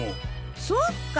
そっか！